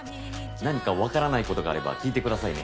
何かわからないことがあれば聞いてくださいね。